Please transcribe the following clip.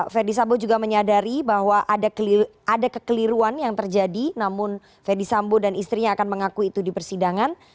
ferdis sambo juga menyadari bahwa ada kekeliruan yang terjadi namun ferdi sambo dan istrinya akan mengaku itu di persidangan